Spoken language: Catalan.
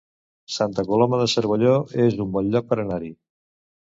Santa Coloma de Cervelló es un bon lloc per anar-hi